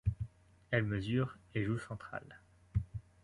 Elle mesure et joue central.